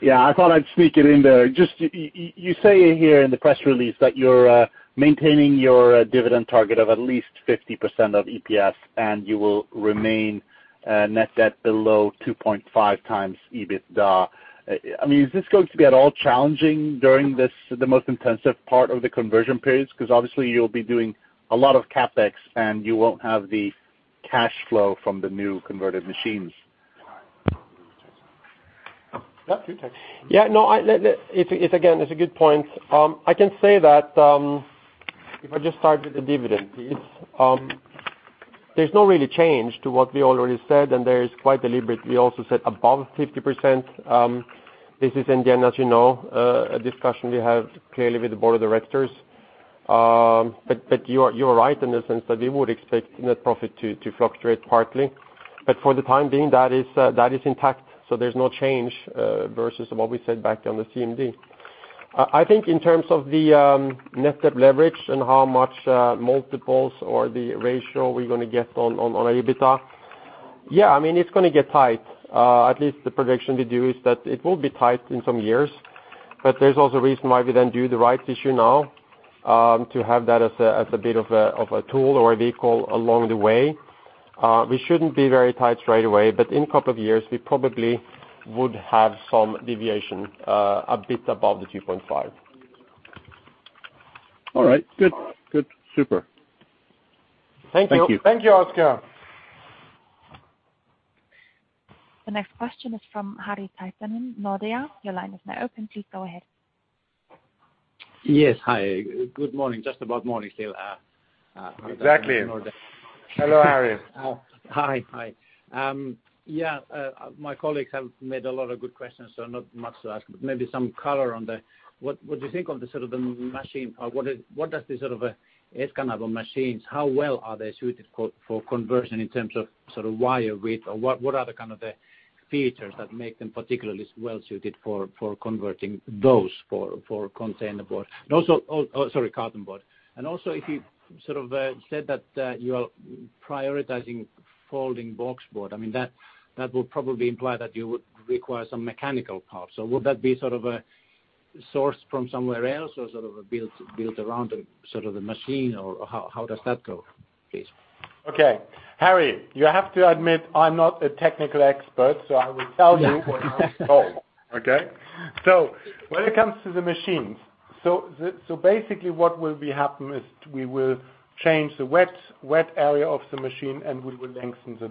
Yeah, I thought I'd sneak it in there. Just you say here in the press release that you're maintaining your dividend target of at least 50% of EPS, and you will remain net debt below 2.5x EBITDA. I mean, is this going to be at all challenging during this, the most intensive part of the conversion periods? Because obviously you'll be doing a lot of CapEx, and you won't have the cash flow from the new converted machines. It's a good point. I can say that if I just start with the dividend piece, there's no real change to what we already said, and that is quite deliberate. We also said above 50%. This is, in the end, as you know, a discussion we have clearly with the board of directors. You are right in the sense that we would expect net profit to fluctuate partly. For the time being, that is intact, so there's no change versus what we said back on the CMD. I think in terms of the net debt leverage and how many multiples or the ratio we're gonna get on EBITDA. Yeah, I mean, it's gonna get tight. At least the prediction we do is that it will be tight in some years. There's also a reason why we then do the rights issue now, to have that as a bit of a tool or a vehicle along the way. We shouldn't be very tight straightaway, but in couple of years, we probably would have some deviation, a bit above the 2.5x. All right, good. Good. Super. Thank you. Thank you. Thank you, Oskar. The next question is from Harry Granqvist, Nordea Asset Management. Your line is now open. Please go ahead. Yes. Hi. Good morning. Just about morning still. Exactly. Harry Granqvist, Nordea Asset Management. Hello, Harry. Yeah, my colleagues have made a lot of good questions, so not much to ask, but maybe some color on the what do you think on the sort of machine, or what does the sort of Escanaba Mill machines, how well are they suited for conversion in terms of sort of wire width? Or what are the kind of features that make them particularly well suited for converting those for carton board? Also, if you sort of said that you are prioritizing folding boxboard, I mean, that would probably imply that you would require some mechanical parts. Would that be sort of sourced from somewhere else or sort of built around the sort of machine, or how does that go, please? Okay. Harry, you have to admit, I'm not a technical expert, so I will tell you what I was told. Okay. When it comes to the machines, basically what will happen is we will change the wet area of the machine, and we will lengthen the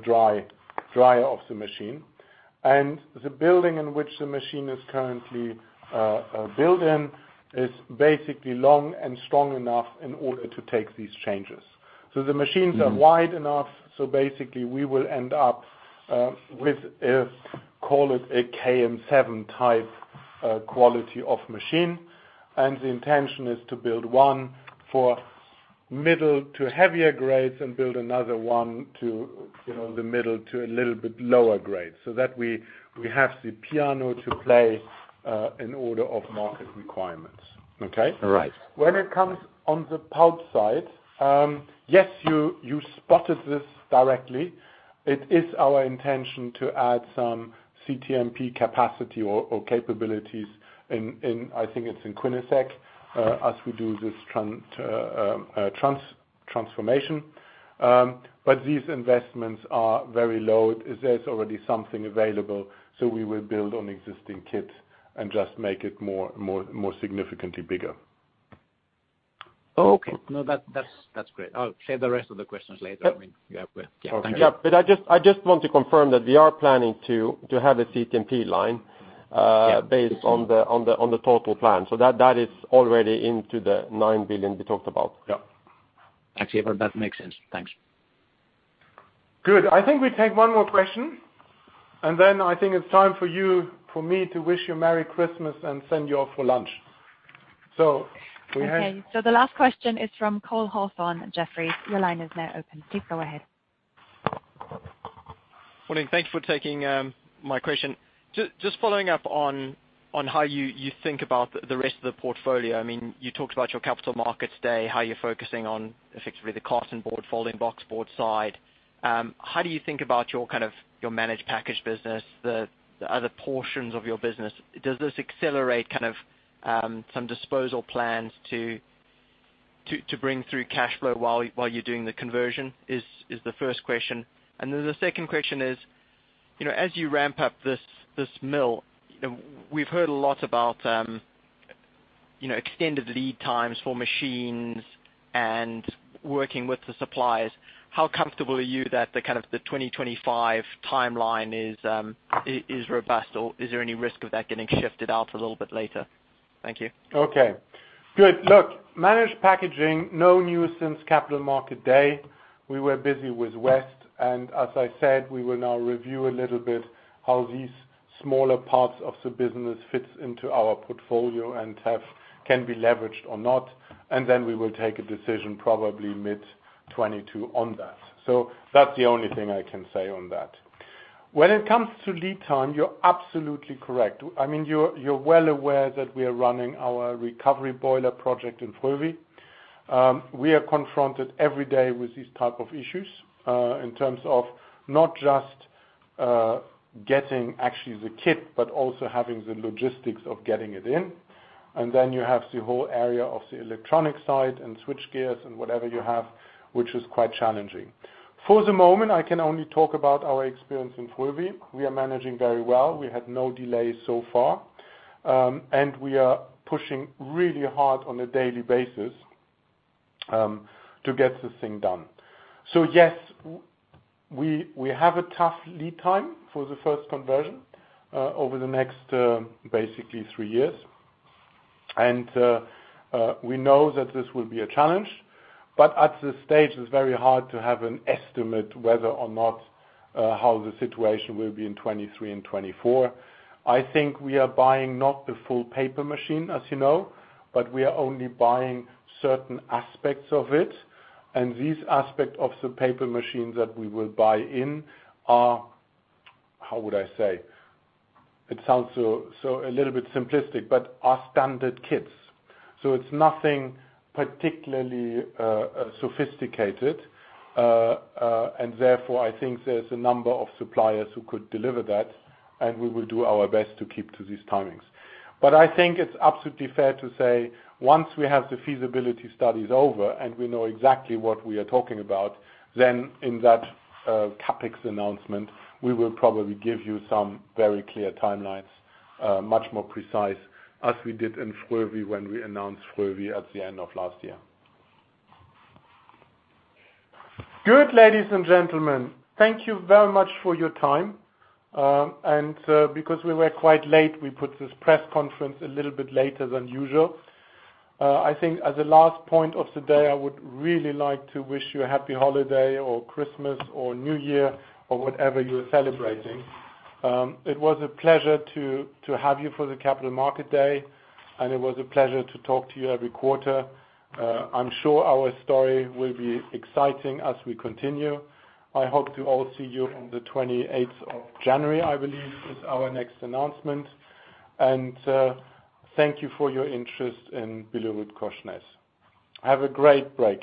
dryer of the machine. The building in which the machine is currently built in is basically long and strong enough in order to take these changes. The machines are wide enough, basically we will end up with a call it a KM7 type quality of machine. The intention is to build one for middle to heavier grades and build another one to you know the middle to a little bit lower grades, so that we have the piano to play in order of market requirements. Okay. All right. When it comes to the pulp side, yes, you spotted this directly. It is our intention to add some CTMP capacity or capabilities in, I think it's in Korsnäs, as we do this transformation. But these investments are very low. There's already something available, so we will build on existing kit and just make it more significantly bigger. Okay. No, that's great. I'll save the rest of the questions later. Yep. I mean, yeah. Okay. Thank you. I just want to confirm that we are planning to have a CTMP line. Yeah based on the total plan. That is already into the 9 billion we talked about. Yeah. Actually, that makes sense. Thanks. Good. I think we take one more question, and then I think it's time for you, for me to wish you Merry Christmas and send you off for lunch. We have- Okay. The last question is from Cole Hathorn at Jefferies. Your line is now open. Please go ahead. Morning. Thank you for taking my question. Just following up on how you think about the rest of the portfolio. I mean, you talked about your Capital Markets Day, how you're focusing on effectively the cartonboard, folding boxboard side. How do you think about your packaging business, the other portions of your business? Does this accelerate some disposal plans to bring in cash flow while you're doing the conversion? This is the first question. The second question is, you know, as you ramp up this mill, we've heard a lot about extended lead times for machines and working with the suppliers. How comfortable are you that the kind of the 2025 timeline is robust, or is there any risk of that getting shifted out a little bit later? Thank you. Okay. Good. Look, Managed Packaging, no news since Capital Markets Day. We were busy with Verso, and as I said, we will now review a little bit how these smaller parts of the business fits into our portfolio and can be leveraged or not. Then we will take a decision probably mid-2022 on that. That's the only thing I can say on that. When it comes to lead time, you're absolutely correct. I mean, you're well aware that we are running our recovery boiler project in Frövi. We are confronted every day with these type of issues, in terms of not just getting actually the kit, but also having the logistics of getting it in. Then you have the whole area of the electronics side and switchgears and whatever you have, which is quite challenging. For the moment, I can only talk about our experience in Frövi. We are managing very well. We had no delays so far. We are pushing really hard on a daily basis to get this thing done. Yes, we have a tough lead time for the first conversion over the next basically three years. We know that this will be a challenge, but at this stage, it's very hard to have an estimate whether or not how the situation will be in 2023 and 2024. I think we are buying not the full paper machine, as you know, but we are only buying certain aspects of it. These aspects of the paper machine that we will buy in are, how would I say? It sounds so a little bit simplistic, but are standard kits. It's nothing particularly sophisticated. Therefore, I think there's a number of suppliers who could deliver that, and we will do our best to keep to these timings. I think it's absolutely fair to say once we have the feasibility studies over and we know exactly what we are talking about, then in that CapEx announcement, we will probably give you some very clear timelines, much more precise as we did in Frövi when we announced Frövi at the end of last year. Good, ladies and gentlemen. Thank you very much for your time. Because we were quite late, we put this press conference a little bit later than usual. I think as a last point of the day, I would really like to wish you a happy holiday or Christmas or New Year or whatever you're celebrating. It was a pleasure to have you for the Capital Market Day, and it was a pleasure to talk to you every quarter. I'm sure our story will be exciting as we continue. I hope to see you all on the 28th of January. I believe that is our next announcement. Thank you for your interest in BillerudKorsnäs. Have a great break.